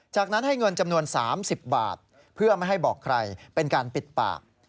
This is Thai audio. จากนั้นให้เงินจำนวน๓๐บาทเพื่อไม่ให้บอกใครเป็นการปิดปาก